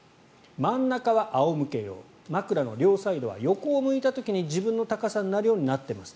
真ん中は仰向け用枕の両サイドは横を向いた時に自分の高さになるようになっています。